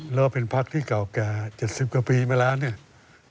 แล้วก็เป็นพักที่เก่าแก่๗๐กว่าปีมาแล้วเนี่ย